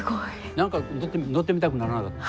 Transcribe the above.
何か乗ってみたくならなかった？